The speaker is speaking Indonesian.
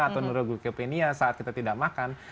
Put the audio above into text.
atau neuroglikeopenia saat kita tidak makan